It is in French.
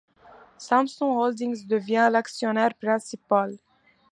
Samson Holdings devient l'actionnaire principal.